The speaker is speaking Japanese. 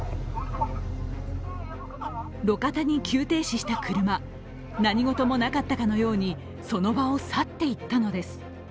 路肩に急停止した車何事もなかったかのようにその場を去っていったのです。